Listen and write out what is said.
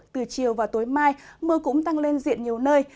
từ chiều và tối mai mưa cũng tăng lên diện nhiều nơi